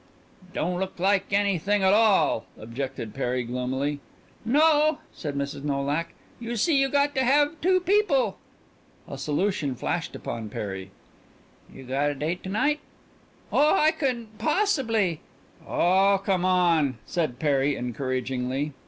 "Don't look like anything at all," objected Perry gloomily. "No," said Mrs. Nolak; "you see you got to have two people." A solution flashed upon Perry. "You got a date to night?" "Oh, I couldn't possibly " "Oh, come on," said Perry encouragingly.